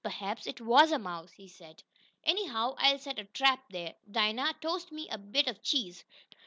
"Perhaps it was a mouse," he said. "Anyhow, I'll set a trap there. Dinah, toast me a bit of cheese."